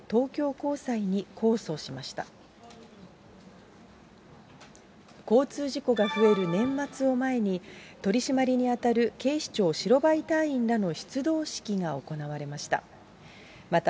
交通事故が増える年末を前に、取締りに当たる警視庁白バイ隊員らの出動式が行われました。